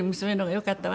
よかったね。